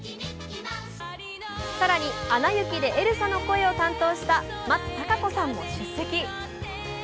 更に、「アナ雪」でエルサの声を担当した松たか子さんも出席。